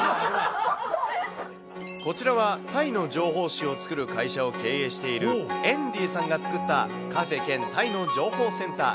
こちらは、タイの情報誌を作る会社を経営しているエンディさんが作ったカフェ兼タイの情報センター。